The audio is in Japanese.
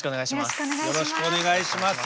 よろしくお願いします。